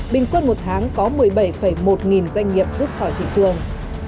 bình quân một tháng có một mươi bảy một nghìn doanh nghiệp rút khỏi thị trường